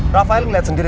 rafael ngeliat sendiri